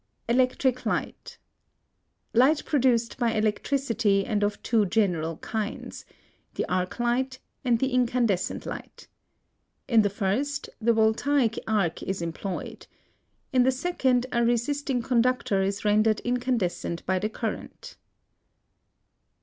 ELECTRIC LIGHT. Light produced by electricity and of two general kinds, the arc light and the incandescent light. In the first the voltaic arc is employed. In the second a resisting conductor is rendered incandescent by the current.